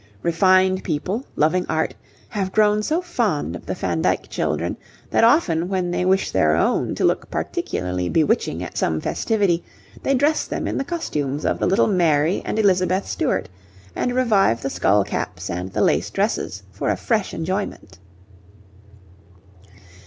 Refined people, loving art, have grown so fond of the Van Dyck children, that often when they wish their own to look particularly bewitching at some festivity, they dress them in the costumes of the little Mary and Elizabeth Stuart, and revive the skull caps and the lace dresses for a fresh enjoyment.